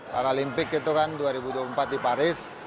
paralimpik itu kan dua ribu dua puluh empat di paris